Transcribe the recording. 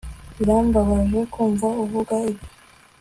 Birambabaje kumva uvuga ibyo